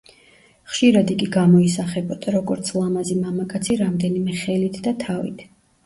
ხშირად იგი გამოისახებოდა როგორც ლამაზი მამაკაცი რამდენიმე ხელით და თავით.